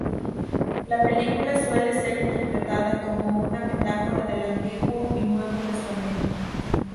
La película suele ser interpretada como una metáfora del Antiguo y Nuevo Testamento.